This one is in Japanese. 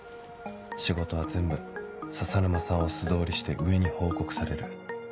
仕事は全部笹沼さんを素通りして上に報告される